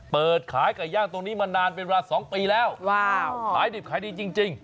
เปิดขายไก่ย่างตรงนี้มานานเป็นเวลา๒ปีแล้วว้าวขายดิบขายดีจริง